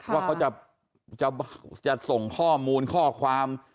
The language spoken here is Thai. ว่าเขาจะส่งข้อมูลข้อความ